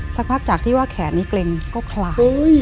ไม่พูดว่าแขนนี้เกร็งก็คลา